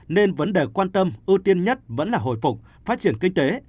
nên vấn đề quan tâm ưu tiên nhất vẫn là hồi phục phát triển kinh tế